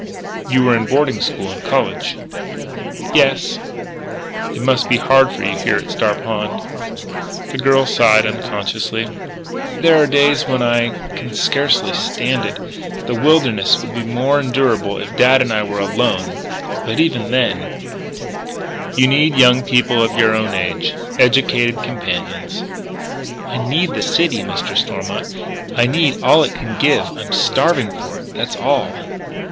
"You were in boarding school and college." "Yes." "It must be hard for you here at Star Pond." The girl sighed, unconsciously: "There are days when I can scarcely stand it.... The wilderness would be more endurable if dad and I were all alone.... But even then " "You need young people of your own age, educated companions " "I need the city, Mr. Stormont. I need all it can give: I'm starving for it. That's all."